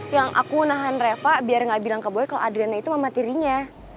yang aku nahan reva biar gak bilang ke boy kalau adriana itu mama tirinya